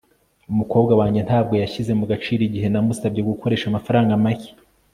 umukobwa wanjye ntabwo yashyize mu gaciro igihe namusabye gukoresha amafaranga make